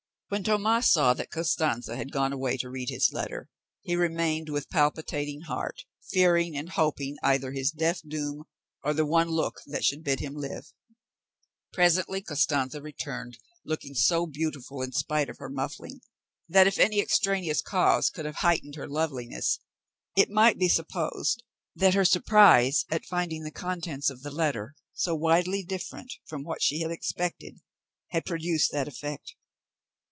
When Tomas saw that Costanza had gone away to read his letter, he remained with a palpitating heart, fearing and hoping either his death doom, or the one look that should bid him live. Presently Costanza returned, looking so beautiful in spite of her muffling, that if any extraneous cause could have heightened her loveliness, it might be supposed that her surprise at finding the contents of the paper so widely different from what she had expected, had produced that effect.